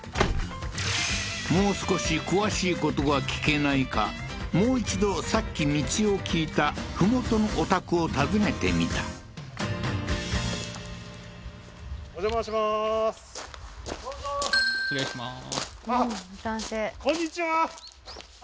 もう少し詳しいことが聞けないかもう一度さっき道を聞いた麓のお宅を訪ねてみた失礼します